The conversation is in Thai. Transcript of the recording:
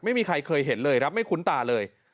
ไม่เคยเห็นเลยครับไม่คุ้นตาเลย